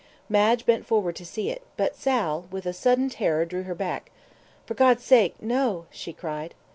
Madge bent forward to see it, but Sal, with a sudden terror drew her back. "For God's sake no," she cried.